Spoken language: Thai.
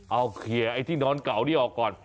เอาเคลียร์ไอ้ที่นอนเก่านี้ออกก่อน